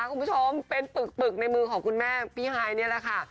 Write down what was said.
คุณผู้ชมเป็นปึกในมือของคุณแม่พี่ฮายนี่แหละค่ะ